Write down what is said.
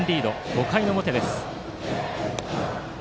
５回の表です。